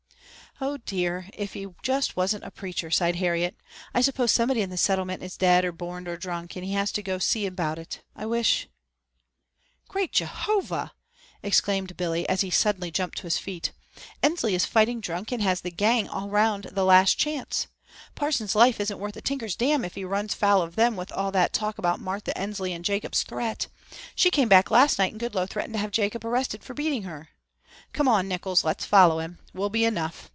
"Oh, dear, if he just wasn't a preacher," sighed Harriet. "I suppose somebody in the Settlement is dead or borned or drunk, and he has to go and see about it. I wish " "Great Jehovah!" exclaimed Billy, as he suddenly jumped to his feet. "Ensley is fighting drunk and has the gang around the Last Chance. Parson's life isn't worth a tinker's damn if he runs foul of them with all that talk about Martha Ensley and Jacob's threat. She came back last night and Goodloe threatened to have Jacob arrested for beating her. Come on, Nickols, and let's follow him. We'll be enough.